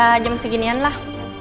ya jam seginian lah